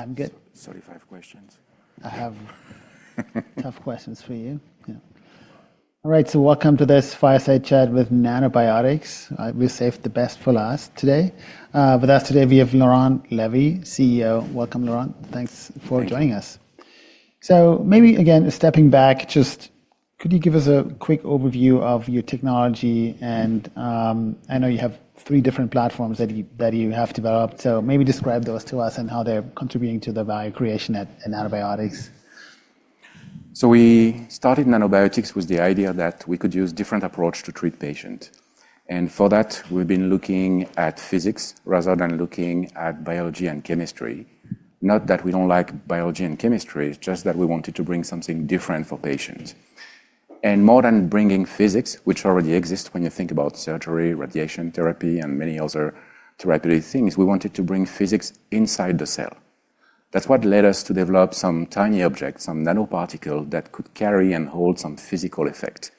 I'm good. 35 questions. I have tough questions for you. All right, so welcome to this fireside chat with Nanobiotix. We've saved the best for last today. With us today, we have Laurent Lévy, CEO. Welcome, Laurent. Thanks for joining us. Maybe, again, stepping back, just could you give us a quick overview of your technology? I know you have three different platforms that you have developed. Maybe describe those to us and how they're contributing to the value creation at Nanobiotix? We started Nanobiotix with the idea that we could use different approaches to treat patients. For that, we've been looking at physics rather than looking at biology and chemistry. Not that we don't like biology and chemistry, it's just that we wanted to bring something different for patients. More than bringing physics, which already exists when you think about surgery, radiation therapy, and many other therapeutic things, we wanted to bring physics inside the cell. That is what led us to develop some tiny objects, some nanoparticles that could carry and hold some physical effect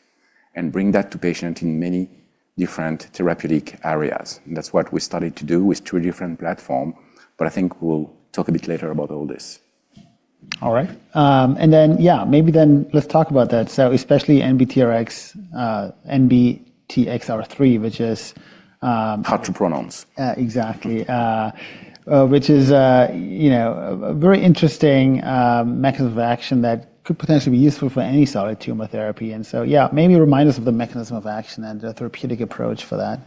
and bring that to patients in many different therapeutic areas. That is what we started to do with three different platforms. I think we'll talk a bit later about all this. All right. Yeah, maybe then let's talk about that. Especially NBTXR3, which is. Hard to pronounce. Exactly. Which is a very interesting mechanism of action that could potentially be useful for any solid tumor therapy. Yeah, maybe remind us of the mechanism of action and the therapeutic approach for that.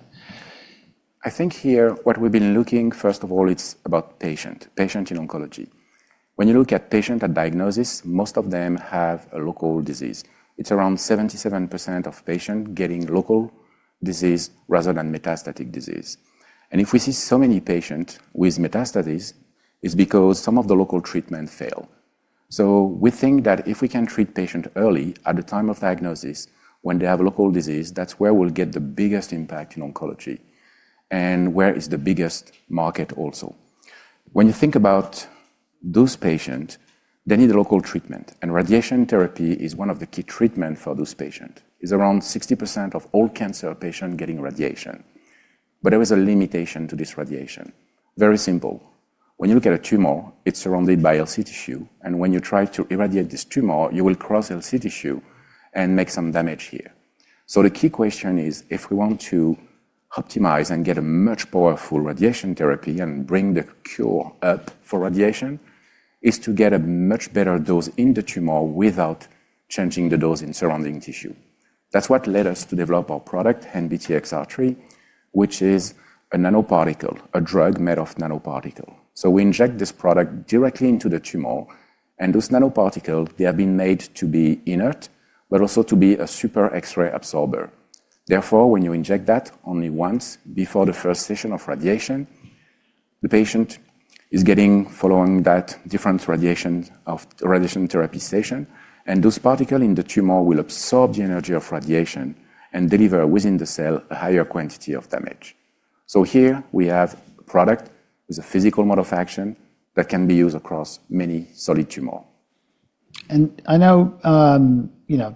I think here what we've been looking, first of all, it's about patient in oncology. When you look at patients at diagnosis, most of them have a local disease. It's around 77% of patients getting local disease rather than metastatic disease. If we see so many patients with metastases, it's because some of the local treatments fail. We think that if we can treat patients early at the time of diagnosis, when they have local disease, that's where we'll get the biggest impact in oncology and where is the biggest market also. When you think about those patients, they need local treatment. Radiation therapy is one of the key treatments for those patients. It's around 60% of all cancer patients getting radiation. There is a limitation to this radiation. Very simple. When you look at a tumor, it's surrounded by LC tissue. When you try to irradiate this tumor, you will cross LC tissue and make some damage here. The key question is, if we want to optimize and get a much powerful radiation therapy and bring the cure up for radiation, it's to get a much better dose in the tumor without changing the dose in surrounding tissue. That's what led us to develop our product, NBTXR3, which is a nanoparticle, a drug made of nanoparticles. We inject this product directly into the tumor. Those nanoparticles, they have been made to be inert, but also to be a super X-ray absorber. Therefore, when you inject that only once before the first session of radiation, the patient is getting, following that, different radiation therapy sessions. Those particles in the tumor will absorb the energy of radiation and deliver within the cell a higher quantity of damage. Here we have a product with a physical mode of action that can be used across many solid tumors. I know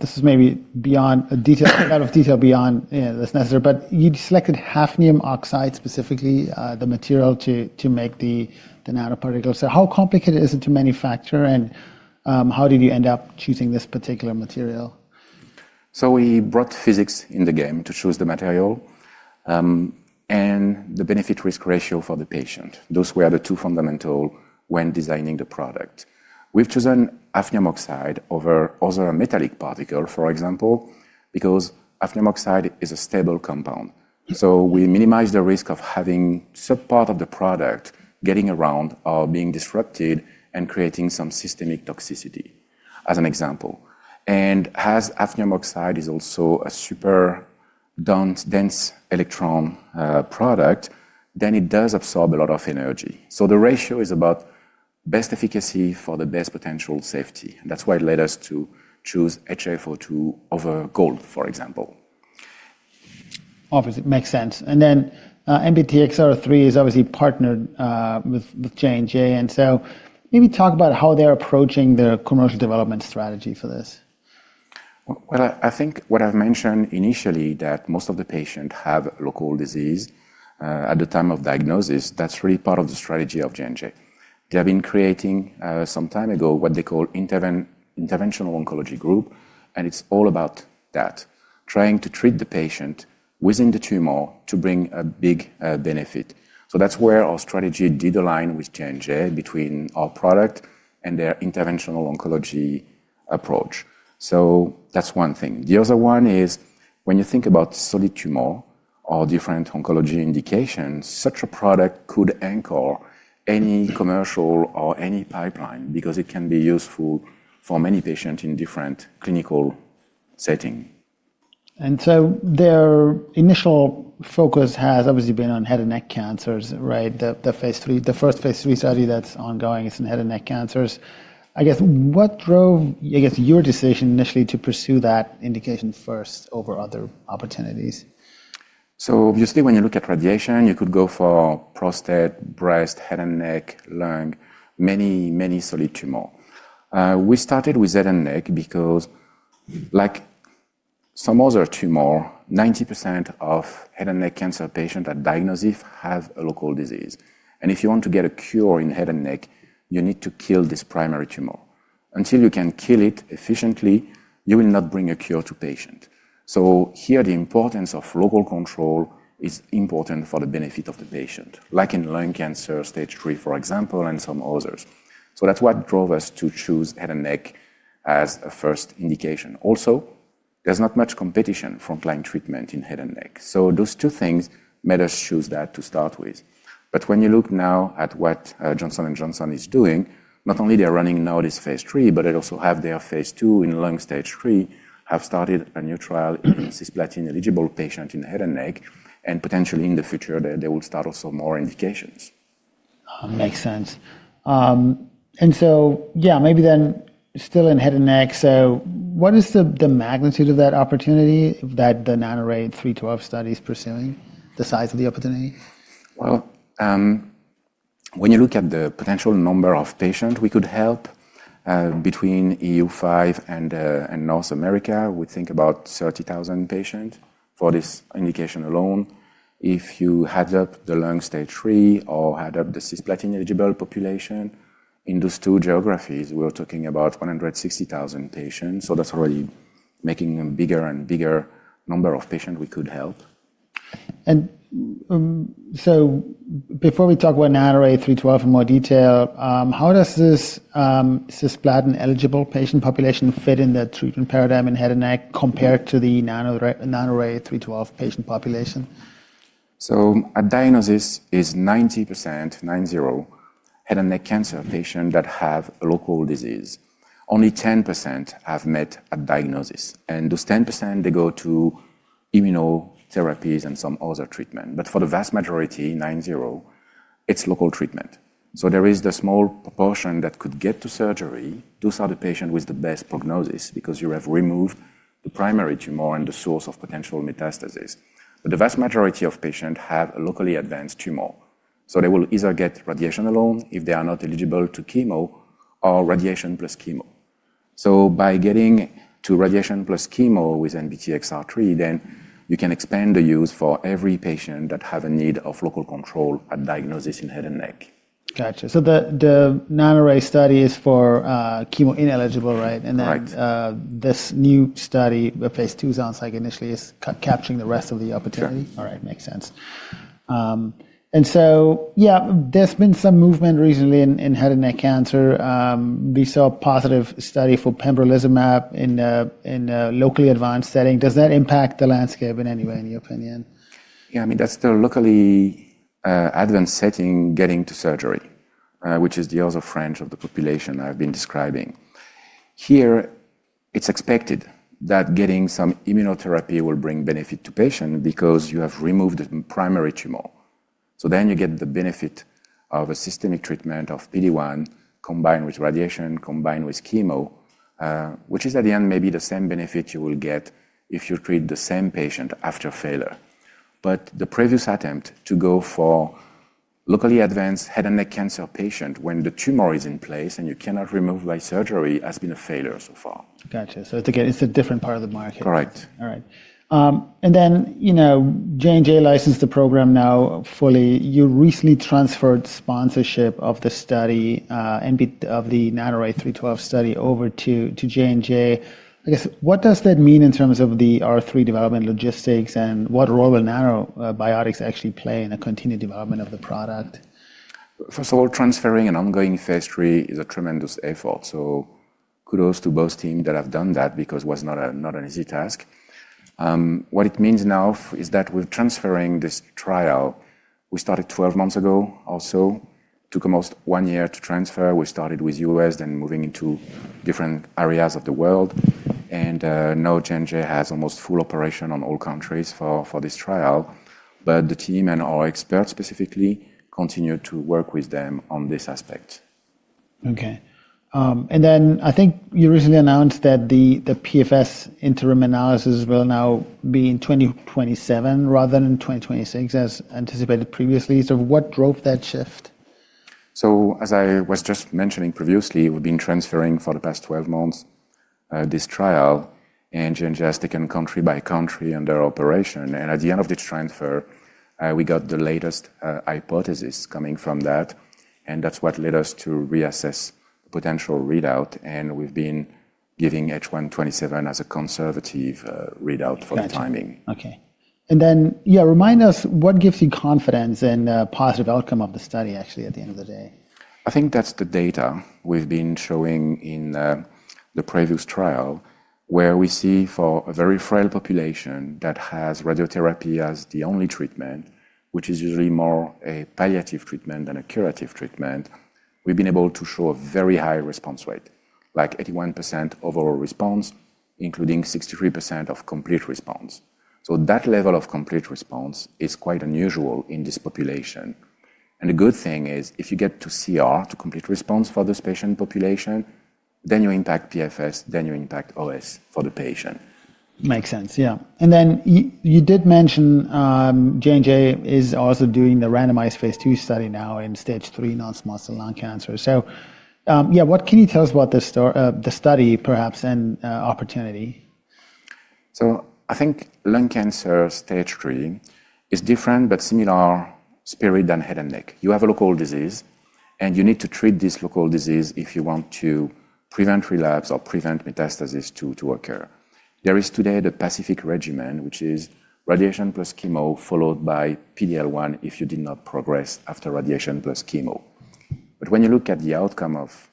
this is maybe beyond a detail, out of detail beyond this necessary, but you selected hafnium oxide specifically, the material to make the nanoparticles. How complicated is it to manufacture? How did you end up choosing this particular material? We brought physics in the game to choose the material and the benefit-risk ratio for the patient. Those were the two fundamentals when designing the product. We've chosen hafnium oxide over other metallic particles, for example, because hafnium oxide is a stable compound. We minimize the risk of having some part of the product getting around or being disrupted and creating some systemic toxicity, as an example. As hafnium oxide is also a super dense electron product, it does absorb a lot of energy. The ratio is about best efficacy for the best potential safety. That's why it led us to choose HfO2 over gold, for example. Obviously, it makes sense. NBTXR3 is obviously partnered with J&J. Maybe talk about how they're approaching their commercial development strategy for this? I think what I've mentioned initially, that most of the patients have local disease at the time of diagnosis, that's really part of the strategy of J&J. They have been creating some time ago what they call interventional oncology group. It's all about that, trying to treat the patient within the tumor to bring a big benefit. That's where our strategy did align with J&J between our product and their interventional oncology approach. That's one thing. The other one is, when you think about solid tumor or different oncology indications, such a product could anchor any commercial or any pipeline because it can be useful for many patients in different clinical settings. Their initial focus has obviously been on head and neck cancers, right? The first phase III study that's ongoing is in head and neck cancers. I guess what drove, I guess, your decision initially to pursue that indication first over other opportunities? Obviously, when you look at radiation, you could go for prostate, breast, head and neck, lung, many, many solid tumors. We started with head and neck because, like some other tumor, 90% of head and neck cancer patients at diagnosis have a local disease. If you want to get a cure in head and neck, you need to kill this primary tumor. Until you can kill it efficiently, you will not bring a cure to patients. Here, the importance of local control is important for the benefit of the patient, like in lung cancer stage III, for example, and some others. That is what drove us to choose head and neck as a first indication. Also, there is not much competition for applying treatment in head and neck. Those two things made us choose that to start with. When you look now at what Johnson & Johnson is doing, not only are they running now this phase III, but they also have their phase II in lung stage III, have started a new trial in cisplatin-eligible patients in head and neck. Potentially, in the future, they will start also more indications. Makes sense. Yeah, maybe then still in head and neck. What is the magnitude of that opportunity that the Nanoray 312 study is pursuing, the size of the opportunity? When you look at the potential number of patients we could help between EU-5 and North America, we think about 30,000 patients for this indication alone. If you add up the lung stage III or add up the cisplatin-eligible population, in those two geographies, we're talking about 160,000 patients. That's already making a bigger and bigger number of patients we could help. Before we talk about Nanoray 312 in more detail, how does this cisplatin-eligible patient population fit in the treatment paradigm in head and neck compared to the Nanoray 312 patient population? At diagnosis, it's 90%, nine, zero, head and neck cancer patients that have a local disease. Only 10% have met at diagnosis. Those 10%, they go to immunotherapies and some other treatment. For the vast majority, nine, zero, it's local treatment. There is the small proportion that could get to surgery. Those are the patients with the best prognosis because you have removed the primary tumor and the source of potential metastasis. The vast majority of patients have a locally advanced tumor. They will either get radiation alone if they are not eligible to chemo or radiation + chemo. By getting to radiation + chemo with NBTXR3, you can expand the use for every patient that has a need of local control at diagnosis in head and neck. Gotcha. So the Nanoray 312 study is for chemo ineligible, right? And then this new study, phase II, sounds like initially is capturing the rest of the opportunity? Yes. All right. Makes sense. Yeah, there's been some movement recently in head and neck cancer. We saw a positive study for pembrolizumab in a locally advanced setting. Does that impact the landscape in any way, in your opinion? Yeah, I mean, that's the locally advanced setting getting to surgery, which is the other fringe of the population I've been describing. Here, it's expected that getting some immunotherapy will bring benefit to patients because you have removed the primary tumor. You get the benefit of a systemic treatment of PD-1 combined with radiation, combined with chemo, which is, at the end, maybe the same benefit you will get if you treat the same patient after failure. The previous attempt to go for locally advanced head and neck cancer patients when the tumor is in place and you cannot remove by surgery has been a failure so far. Gotcha. So it's a different part of the market. Correct. All right. J&J licensed the program now fully. You recently transferred sponsorship of the Nanoray 312 study over to J&J. I guess, what does that mean in terms of the R3 development logistics? What role will Nanobiotix actually play in the continued development of the product? First of all, transferring an ongoing phase III is a tremendous effort. So kudos to both teams that have done that because it was not an easy task. What it means now is that we're transferring this trial. We started 12 months ago also. It took almost one year to transfer. We started with the U.S., then moving into different areas of the world. And now J&J has almost full operation in all countries for this trial. But the team and our experts specifically continue to work with them on this aspect. OK. I think you recently announced that the PFS interim analysis will now be in 2027 rather than 2026, as anticipated previously. What drove that shift? As I was just mentioning previously, we've been transferring for the past 12 months this trial. J&J has taken country by country in their operation. At the end of this transfer, we got the latest hypothesis coming from that. That is what led us to reassess potential readout. We've been giving H127 as a conservative readout for the timing. OK. Yeah, remind us, what gives you confidence in the positive outcome of the study, actually, at the end of the day? I think that's the data we've been showing in the previous trial, where we see for a very frail population that has radiotherapy as the only treatment, which is usually more a palliative treatment than a curative treatment, we've been able to show a very high response rate, like 81% overall response, including 63% of complete response. That level of complete response is quite unusual in this population. The good thing is, if you get to CR, to complete response for this patient population, then you impact PFS, then you impact OS for the patient. Makes sense. Yeah. You did mention J&J is also doing the randomized phase II study now in stage III non-small cell lung cancer. What can you tell us about the study, perhaps, and opportunity? I think lung cancer stage III is different, but similar spirit than head and neck. You have a local disease. And you need to treat this local disease if you want to prevent relapse or prevent metastasis to occur. There is today the Pacific regimen, which is radiation + chemo followed by PD-L1 if you did not progress after radiation + chemo. But when you look at the outcome of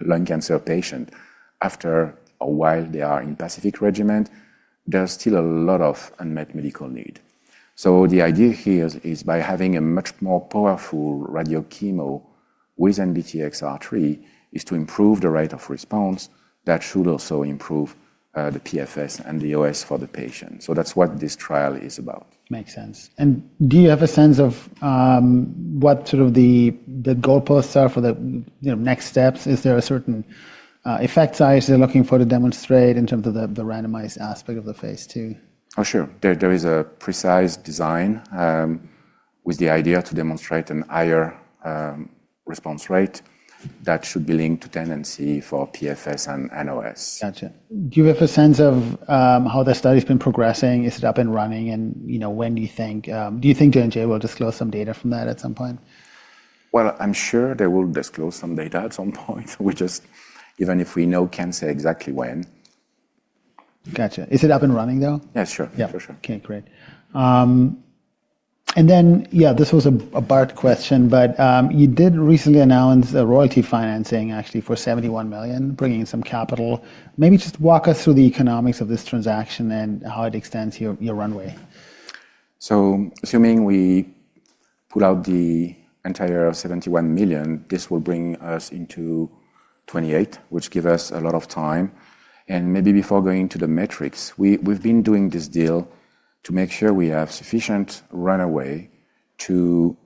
lung cancer patients, after a while they are in Pacific regimen, there's still a lot of unmet medical need. The idea here is, by having a much more powerful radio chemo with NBTXR3, is to improve the rate of response. That should also improve the PFS and the OS for the patient. That's what this trial is about. Makes sense. Do you have a sense of what sort of the goalposts are for the next steps? Is there a certain effect size they're looking for to demonstrate in terms of the randomized aspect of the phase II? Oh, sure. There is a precise design with the idea to demonstrate a higher response rate that should be linked to tendency for PFS and OS. Gotcha. Do you have a sense of how the study's been progressing? Is it up and running? When do you think J&J will disclose some data from that at some point? I'm sure they will disclose some data at some point. Even if we know cancer exactly when. Gotcha. Is it up and running, though? Yeah, sure. Yeah, for sure. OK, great. Yeah, this was a bad question, but you did recently announce royalty financing, actually, for $71 million, bringing in some capital. Maybe just walk us through the economics of this transaction and how it extends your runway? Assuming we pull out the entire $71 million, this will bring us into 2028, which gives us a lot of time. Maybe before going into the metrics, we've been doing this deal to make sure we have sufficient runway to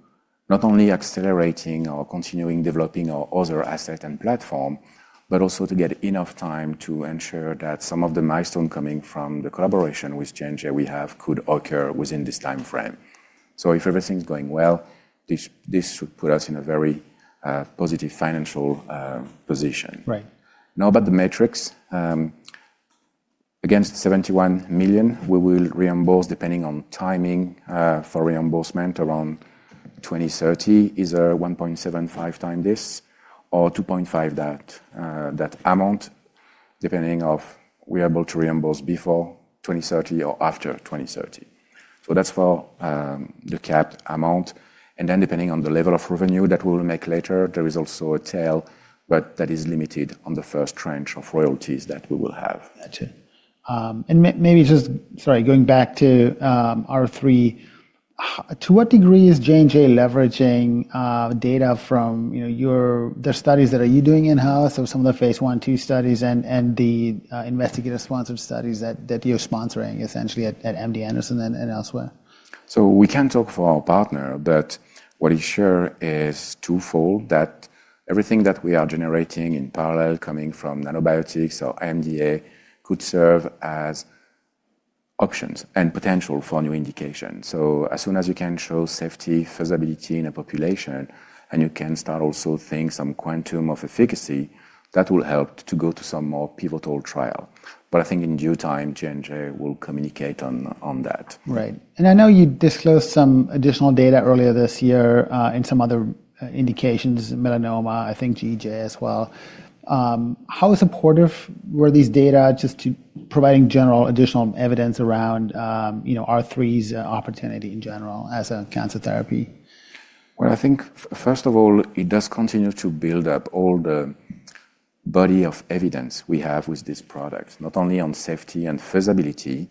not only accelerating or continuing developing our other asset and platform, but also to get enough time to ensure that some of the milestones coming from the collaboration with J&J we have could occur within this time frame. If everything's going well, this should put us in a very positive financial position. Right. Now about the metrics. Against $71 million, we will reimburse depending on timing for reimbursement around 2030. Is there 1.75 times this or 2.5 that amount, depending on if we are able to reimburse before 2030 or after 2030? That is for the capped amount. Then, depending on the level of revenue that we will make later, there is also a tail, but that is limited on the first tranche of royalties that we will have. Gotcha. Maybe just, sorry, going back to R3, to what degree is J&J leveraging data from their studies that are you doing in-house or some of the phase I and phase II studies and the investigator-sponsored studies that you're sponsoring, essentially, at MD Anderson and elsewhere? We can't talk for our partner. What is sure is twofold, that everything that we are generating in parallel coming from Nanobiotix or IMDA could serve as options and potential for new indications. As soon as you can show safety, feasibility in a population, and you can start also seeing some quantum of efficacy, that will help to go to some more pivotal trial. I think in due time, J&J will communicate on that. Right. I know you disclosed some additional data earlier this year in some other indications, melanoma, I think GEJ as well. How supportive were these data just to providing general additional evidence around R3's opportunity in general as a cancer therapy? I think, first of all, it does continue to build up all the body of evidence we have with this product, not only on safety and feasibility.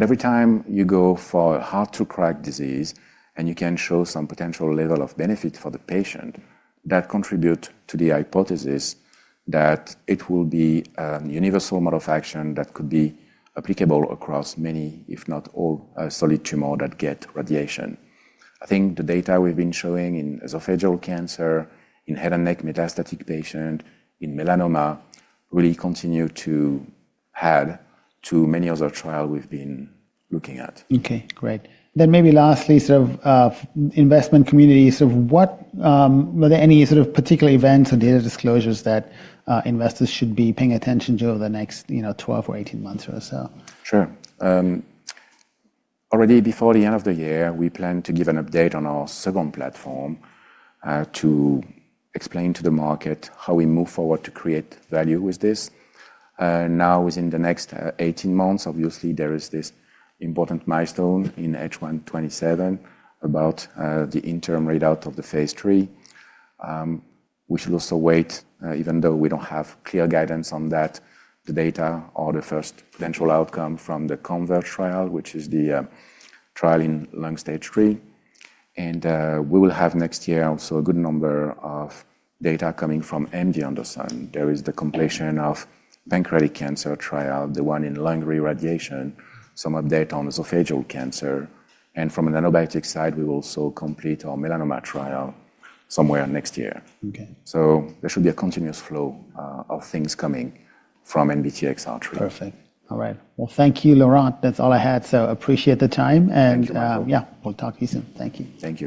Every time you go for a hard-to-crack disease and you can show some potential level of benefit for the patient, that contributes to the hypothesis that it will be a universal mode of action that could be applicable across many, if not all, solid tumors that get radiation. I think the data we've been showing in esophageal cancer, in head and neck metastatic patients, in melanoma, really continue to add to many other trials we've been looking at. OK, great. Maybe lastly, sort of investment community, sort of what are there any sort of particular events or data disclosures that investors should be paying attention to over the next 12 or 18 months or so? Sure. Already before the end of the year, we plan to give an update on our second platform to explain to the market how we move forward to create value with this. Now, within the next 18 months, obviously, there is this important milestone in H127 about the interim readout of the phase III. We should also wait, even though we don't have clear guidance on that, the data or the first potential outcome from the CONVERT trial, which is the trial in lung stage III. We will have next year also a good number of data coming from MD Anderson. There is the completion of pancreatic cancer trial, the one in lung reirradiation, some update on esophageal cancer. From a Nanobiotix side, we will also complete our melanoma trial somewhere next year. There should be a continuous flow of things coming from NBTXR3. Perfect. All right. Thank you, Laurent. That's all I had. So appreciate the time. Thank you. Yeah, we'll talk to you soon. Thank you. Thank you.